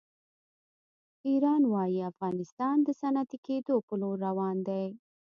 ایران وایي افغانستان د صنعتي کېدو په لور روان دی.